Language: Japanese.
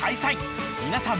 ［皆さん